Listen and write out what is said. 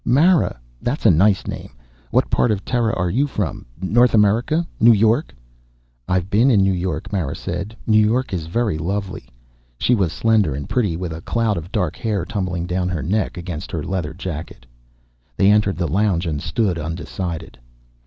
"Mara? That's a nice name. What part of Terra are you from? North America? New York?" "I've been in New York," Mara said. "New York is very lovely." She was slender and pretty, with a cloud of dark hair tumbling down her neck, against her leather jacket. They entered the lounge and stood undecided.